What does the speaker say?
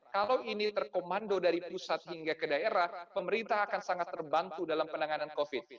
kalau ini terkomando dari pusat hingga ke daerah pemerintah akan sangat terbantu dalam penanganan covid